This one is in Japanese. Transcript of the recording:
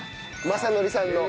雅紀さんの。